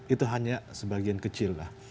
itu hanya sebagian kecil lah